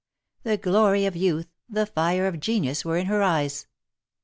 The glory of youth, the fire of genius were in her eyes.